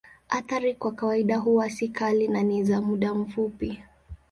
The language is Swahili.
Athari kwa kawaida huwa si kali na ni za muda mfupi.